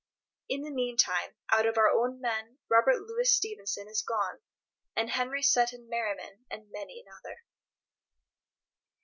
In the meantime, out of our own men Robert Louis Stevenson is gone, and Henry Seton Merriman, and many another.